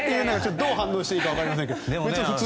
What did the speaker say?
どう反応していいか分かりませんが。